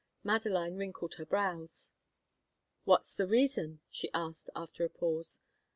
Madeline wrinkled her brows. "What's the reason?" she asked, after a pause.